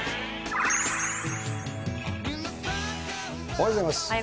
おはようございます。